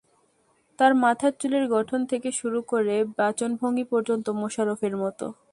তাঁর মাথার চুলের গঠন থেকে শুরু করে বাচনভঙ্গি পর্যন্ত মোশাররফের মতো।